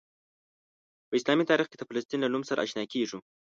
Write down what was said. په اسلامي تاریخ کې د فلسطین له نوم سره آشنا کیږو.